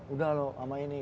udah loh sama ini